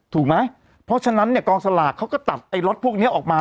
ถูกไหมเพราะฉะนั้นเนี่ยกองสลากเขาก็ตัดไอ้รถพวกนี้ออกมา